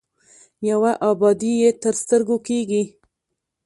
یوه ابادي یې تر سترګو کېږي.